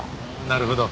なるほど。